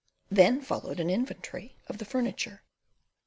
Then followed an inventory of the furniture.